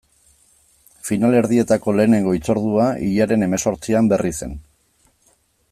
Finalerdietako lehenengo hitzordua, hilaren hemezortzian, Berrizen.